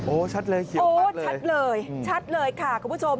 โอ้ชัดเลยเขียวมากเลยโอ้ชัดเลยชัดเลยค่ะคุณผู้ชม